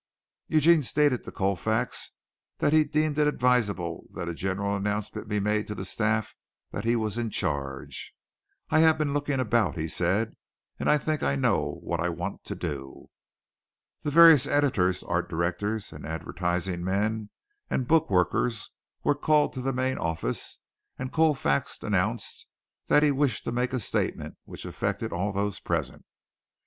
Eugene stated to Colfax that he deemed it advisable that a general announcement be made to the staff that he was in charge. "I have been looking about," he said, "and I think I know what I want to do." The various editors, art directors, advertising men and book workers were called to the main office and Colfax announced that he wished to make a statement which affected all those present.